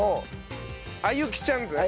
あゆきちゃんですね。